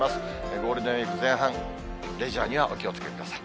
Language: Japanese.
ゴールデンウィーク前半、レジャーにはお気をつけください。